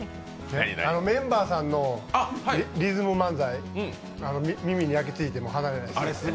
メンバーさんのリズム漫才、耳に焼きついて離れないです。